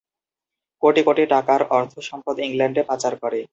কোটি কোটি টাকার অর্থ সম্পদ ইংল্যান্ডে পাচার করে।